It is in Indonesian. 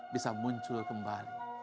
bisa muncul kembali